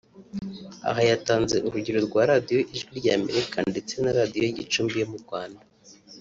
Aha yatanze urugero rwa Radiyo ijwi rya Amerika ndetse na Radiyo Gicumbi yo mu Rwanda